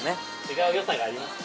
違う良さがあります